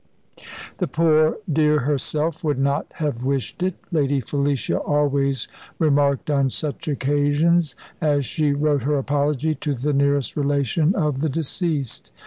"The poor dear herself would not have wished it," Lady Felicia always remarked on such occasions, as she wrote her apology to the nearest relation of the deceased.